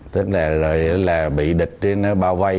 tức là bị địch trên nó bao vây